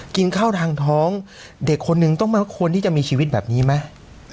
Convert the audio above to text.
กินข้าวทางท้องเด็กคนนึงต้องควรที่จะมีชีวิตแบบนี้ไหม